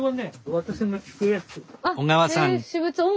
私の聴くやつ。